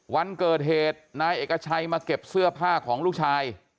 วันเกิดเหตุนายเอกชัยมาเก็บเสื้อผ้าของลูกชาย